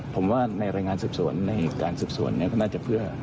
ผมว่าในรายงานซึบสวนก็น่าจะเพื่อ